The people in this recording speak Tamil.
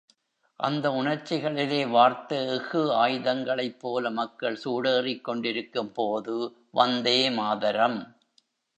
அந்த உணர்ச்சிகளிலே வார்த்த எஃகு ஆயுதங்களைப் போல மக்கள் சூடேறிக் கொண்டிருக்கும் போது, வந்தே மாதரம்!